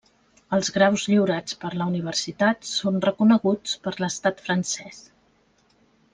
Els graus lliurats per la universitat són reconeguts per l'estat francès.